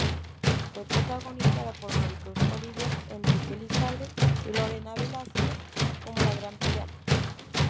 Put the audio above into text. Fue protagonizada por Maricruz Olivier, Enrique Lizalde y Lorena Velázquez como la gran villana.